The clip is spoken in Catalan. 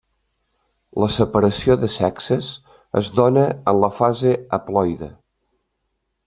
La separació de sexes es dóna en la fase haploide.